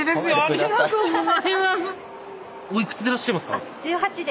ありがとうございます！